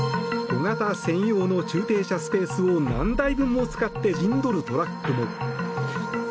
小型専用の駐停車スペースを何台分も使って陣取るトラックも。